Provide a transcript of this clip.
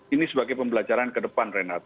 ini sebagai pembelajaran kedepan reynard